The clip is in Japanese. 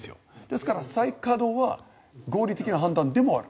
ですから再稼働は合理的な判断でもあるかも。